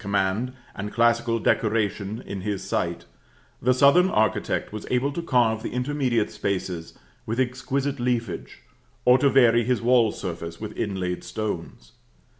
Having marble at his command, and classical decoration in his sight, the southern architect was able to carve the intermediate spaces with exquisite leafage, or to vary his wall surface with inlaid stones.